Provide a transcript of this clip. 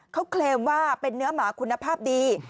เขาเคลมว่าเป็นเนื้อหมาคุณภาพดี